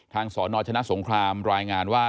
สนชนะสงครามรายงานว่า